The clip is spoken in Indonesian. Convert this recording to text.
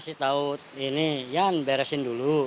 masih tau ini jangan beresin dulu